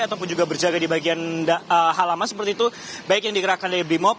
ataupun juga berjaga di bagian halaman seperti itu baik yang digerakkan dari brimob